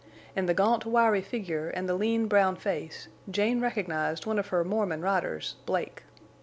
In the gaunt, wiry figure and the lean, brown face Jane recognized one of her Mormon riders, Blake.